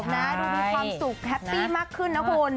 ดูมีความสุขแฮปปี้มากขึ้นนะคุณ